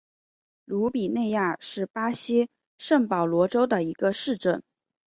鲁比内亚是巴西圣保罗州的一个市镇。